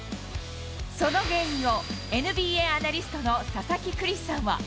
その原因を、ＮＢＡアナリストの佐々木クリスさんは。